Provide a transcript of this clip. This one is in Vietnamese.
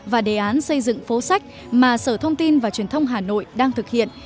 và đề án xây dựng phố sách mà sở thông tin và truyền thông hà nội đang thực hiện